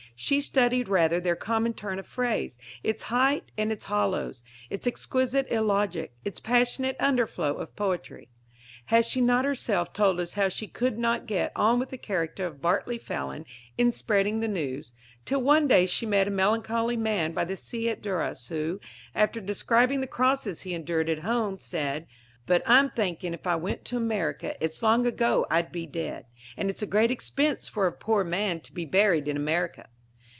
She studied rather their common turn of phrase, its heights and its hollows, its exquisite illogic, its passionate underflow of poetry. Has she not herself told us how she could not get on with the character of Bartley Fallon in Spreading the News, till one day she met a melancholy man by the sea at Duras, who, after describing the crosses he endured at home, said: "But I'm thinking if I went to America, it's long ago I'd be dead. And it's a great expense for a poor man to be buried in America."